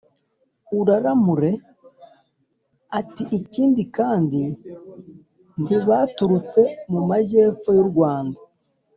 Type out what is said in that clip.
uraramure?” ati : “ikindi kandi, ntibaturutse mu majy’epfo y’u rwanda